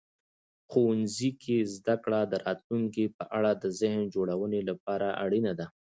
ښوونځي کې زده کړه د راتلونکي په اړه د ذهن جوړونې لپاره اړینه ده.